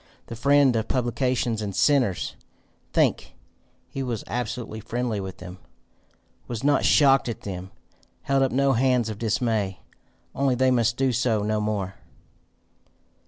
The friend of publicans and sinners! Think: he was absolutely friendly with them! was not shocked at them! held up no hands of dismay! Only they must do so no more.